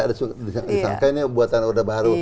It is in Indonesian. ada disangka ini buatan orde baru